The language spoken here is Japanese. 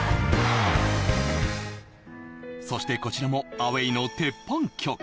そしてこちらもアウェイの鉄板曲